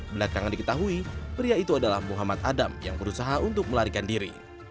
belakangan diketahui pria itu adalah muhammad adam yang berusaha untuk melarikan diri